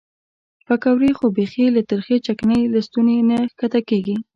پیکورې خو بیخي له ترخې چکنۍ له ستوني نه ښکته کېږي.